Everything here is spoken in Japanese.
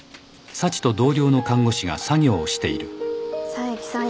佐伯さん